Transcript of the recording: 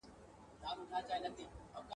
او که ریشتیا درته ووایم !.